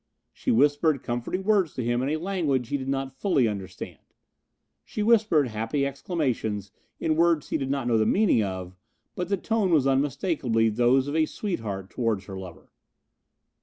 She whispered comforting words to him in a language he did not fully understand. She whispered happy exclamations in words he did not know the meaning of, but the tone was unmistakably those of a sweetheart towards her lover.